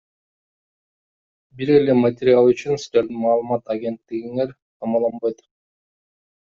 Бир эле материал үчүн силердин маалымат агенттигиңер томолонбойт.